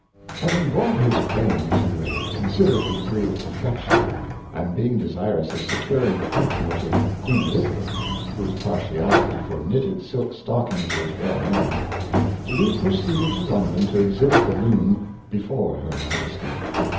Having brought his frame to a considerable degree of perfection, and being desirous of securing the patro 216 William Lee, nage of Queen Elizabeth, whose partiality for knitted silk stockings was well known, Lee proceeded to Lon don to exhibit the Loom before her Majesty.